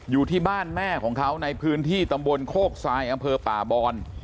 อยู่ที่บ้านแม่ของเขาในพื้นที่ตำบลโคกทรายอำเภอป่าบอน